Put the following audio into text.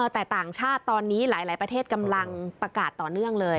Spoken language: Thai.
แต่ต่างชาติตอนนี้หลายประเทศกำลังประกาศต่อเนื่องเลย